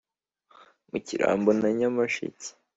Mu Kirambo na Nyamasheke